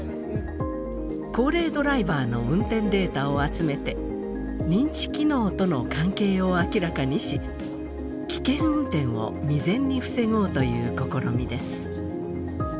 高齢ドライバーの運転データを集めて認知機能との関係を明らかにし危険運転を未然に防ごうという試みです。